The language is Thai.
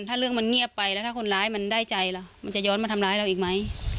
ถ้าเรื่องมันเงียบไปแล้วถ้าคนร้ายมันได้ใจล่ะมันจะย้อนมาทำร้ายเราอีกไหม